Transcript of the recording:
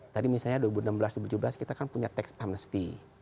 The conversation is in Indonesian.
tadi misalnya dua ribu enam belas dua ribu tujuh belas kita kan punya tax amnesty